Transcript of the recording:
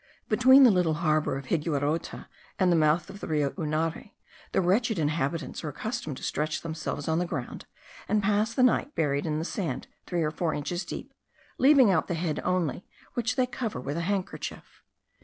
Between the little harbour of Higuerote and the mouth of the Rio Unare, the wretched inhabitants are accustomed to stretch themselves on the ground, and pass the night buried in the sand three or four inches deep, leaving out the head only, which they cover with a handkerchief.